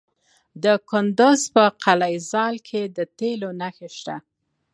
د کندز په قلعه ذال کې د تیلو نښې شته.